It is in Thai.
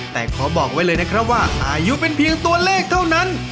แต่ขอบอกไว้เลยนะครับว่าอายุเป็นเพียงตัวเลขเท่านั้น